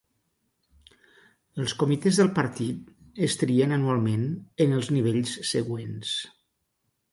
Els comitès del partit es trien anualment en els nivells següents.